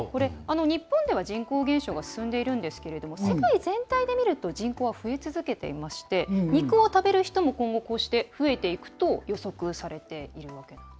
日本では人口減少が進んでいるんですけれども世界全体で見ると人口は増え続けていまして肉を食べる人もこうして増えていくと予測されているわけです。